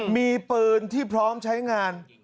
มีปืนที่พร้อมใช้งาน